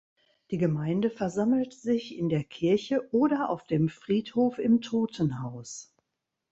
Die Gemeinde versammelt sich in der Kirche oder auf dem Friedhof im Totenhaus.